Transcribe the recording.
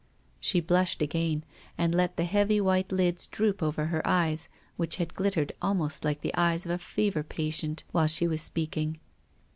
" She blushed again, and let the heavy white lids droop over her eyes, which had glittered almost like the eyes of a fever patient while she was speaking.